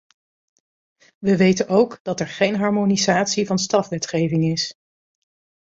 We weten ook dat er geen harmonisatie van strafwetgeving is.